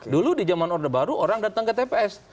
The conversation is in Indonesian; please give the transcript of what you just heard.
dulu di zaman orde baru orang datang ke tps